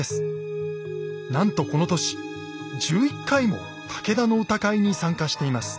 なんとこの年１１回も武田の歌会に参加しています。